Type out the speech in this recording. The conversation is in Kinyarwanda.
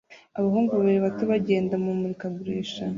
Abahungu babiri bato bagenda mumurikagurisha